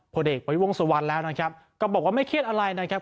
เด็กประวิวงศวรรค์แล้วนะครับก็บอกว่าไม่เครียดอะไรนะครับ